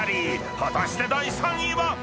果たして第３位は⁉］